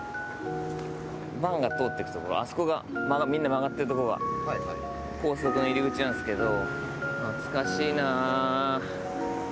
バンが通ってく所あそこがみんな曲がってるとこが高速の入り口なんですけど。